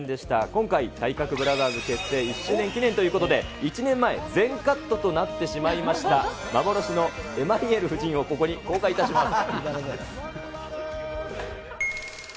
今回、体格ブラザーズ結成１周年記念ということで、１年前、全カットとなってしまいました、幻のエマニエル夫人を、ここに公開いたします。